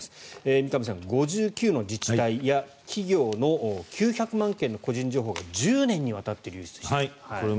三上さん、５９の自治体や企業の９００万件の個人情報が１０年にわたって流出していた。